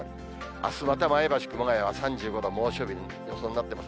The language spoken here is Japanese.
あすまた前橋、熊谷は３５度、猛暑日の予想になってます。